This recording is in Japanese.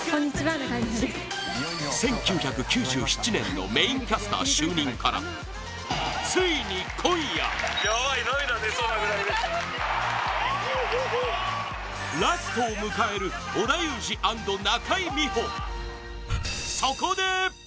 １９９７年のメインキャスター就任からついに今夜ラストを迎える織田裕二＆中井美穂、そこで！